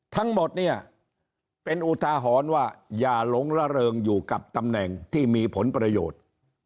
ทั้งหมดเนี่ยเป็นอุทาหรณ์ว่าอย่าหลงระเริงอยู่กับตำแหน่งที่มีผลประโยชน์